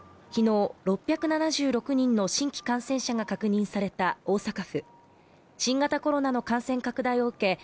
きのう６７６人の新規感染者が確認された大阪府新型コロナの感染拡大を受け